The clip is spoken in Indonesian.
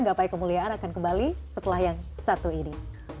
gapai kemuliaan akan kembali setelah yang satu ini